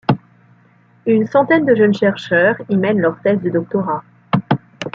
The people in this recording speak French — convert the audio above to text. Une centaine de jeunes chercheurs y mènent leur thèse de doctorat.